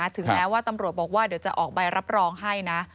ถึงแม้ว่าตำรวจบอกว่าเดี๋ยวจะออกใบรับรองให้นะ